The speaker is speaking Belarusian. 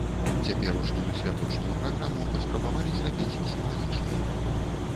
Цяперашнюю святочную праграму паспрабавалі зрабіць сімвалічнай.